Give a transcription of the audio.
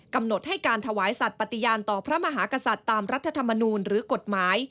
กำหนดให้การถวายสัตว์ปฏิญาณต่อพระมหากษัตริย์ตามรัฐธรรมนูลหรือกฎหมาย